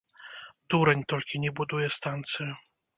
Дурань толькі не будуе станцыю.